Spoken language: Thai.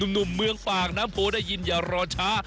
หนุ่มเมืองปากน้ำโพได้ยินอย่ารอช้า